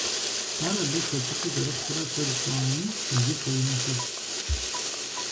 Ар абы хуэцӀыкӀу зэрыхъурэ куэд щӀами, иджы хуэину щыгът.